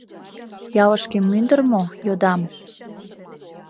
Ялышке мӱндыр мо, йодам?